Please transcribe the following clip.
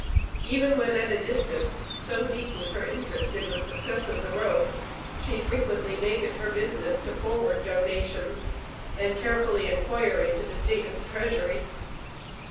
Even when at a distance, so deep was her interest in the success of the Road, she frequently made it her business to forward donations, and carefully inquire into the state of the treasury.